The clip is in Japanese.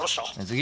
次。